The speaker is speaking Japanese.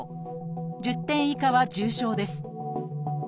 １０点以下は重症です。